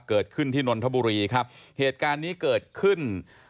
เกิดขึ้นที่นนทบุรีครับเหตุการณ์นี้เกิดขึ้น